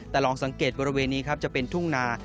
แต่ลองสังเกตบริเวณนี้ครับจะเป็นทุ่งนา